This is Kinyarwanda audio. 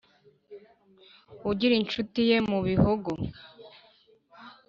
ugira inshuti ye mu bihogo